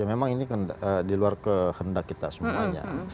ya memang ini diluar kehendak kita semuanya